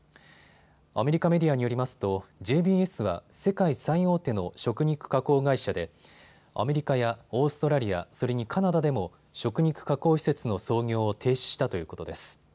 アメリカメディアによりますとＪＢＳは世界最大手の食肉加工会社でアメリカやオーストラリア、それにカナダでも食肉加工施設の操業を停止したということです。